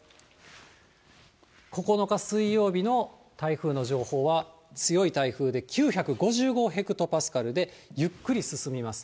９日水曜日の台風の情報は強い台風で９５５ヘクトパスカルで、ゆっくり進みます。